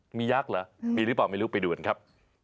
มียักษ์เหรอมีหรือเปล่าไม่รู้ไปดูกันครับ